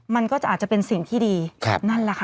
มันก็จะอาจจะเป็นสิ่งที่ดีนั่นแหละค่ะ